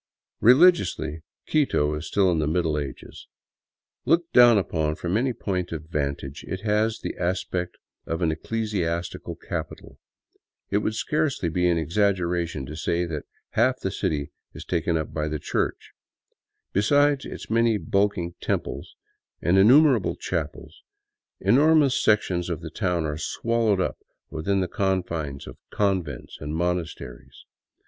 Religiously, Quito is still in the Middle Ages. Looked down upon from any point of vantage, it has the aspect of an ecclesiastical capital. It would scarcely be an exaggeration to say that half the city is taken up by the Church. Besides its many bulking " temples " and innumer able chapels, enormous sections of the town are swallowed up within the confines of convents and monasteries.